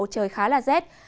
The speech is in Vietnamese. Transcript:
trời khá là rét